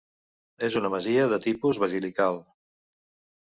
És una masia de tipus basilical.